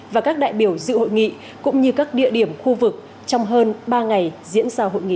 và các đại biểu dự hội nghị cũng như các địa điểm khu vực trong hơn ba ngày diễn ra hội nghị